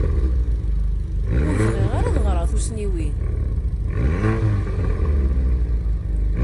Ur bɣiɣ ara ad ɣreɣ tussniwin.